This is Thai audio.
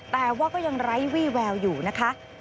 แต่ว่าก็ยังไร้วี่แววอยู่นะคะ